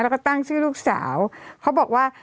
แล้วก็ตั้งชื่อลูกสาวเขาบอกว่า